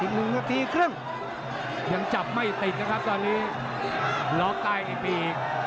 อีกหนึ่งนาทีครึ่งยังจับไม่ติดนะครับตอนนี้ล็อกใต้นี่มีอีก